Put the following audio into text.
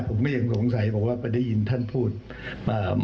ผมก็ยังหงสงสัยบอกว่าไปได้ยินท่านพูดมันจะมาเป็นได้ยังไง